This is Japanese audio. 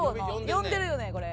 呼んでるよねこれ。